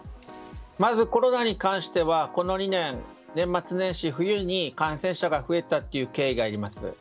まず、コロナに関してはこの２年、年末年始冬に感染者が増えたという経緯があります。